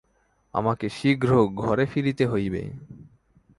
আমাকে শীঘ্র ঘরে ফিরিতে হইবে।